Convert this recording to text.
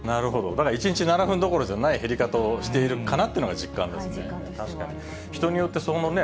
だから、１日７分どころじゃない減り方をしているかなというのが実感としてはありますね。